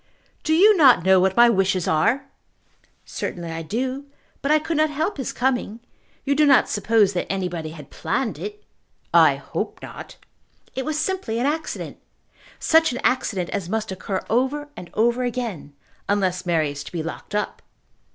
"Do you not know what my wishes are?" "Certainly I do; but I could not help his coming. You do not suppose that anybody had planned it?" "I hope not." "It was simply an accident. Such an accident as must occur over and over again, unless Mary is to be locked up."